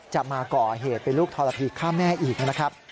จะมาก่อเหตุเป็นลูกทรพีฆ่าแม่อีกนะครับ